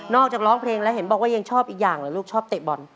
อกจากร้องเพลงแล้วเห็นบอกว่ายังชอบอีกอย่างเหรอลูกชอบเตะบอล